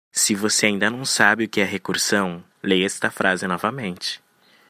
Se você ainda não sabe o que é a recursão?, leia esta frase novamente.